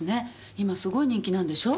今すごい人気なんでしょう？